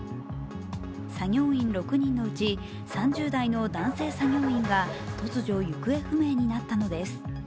作業員６人のうち３０代の男性作業員が突如行方不明になったのです。